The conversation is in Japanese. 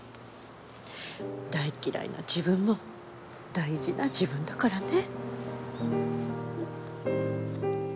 大嫌いな自分も大事な自分だからね。